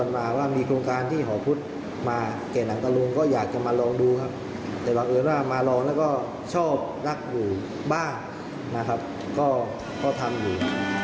มาลองแล้วก็ชอบรักอยู่บ้างนะครับก็ทำอยู่